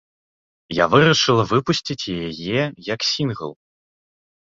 Я вырашыла выпусціць яе як сінгл.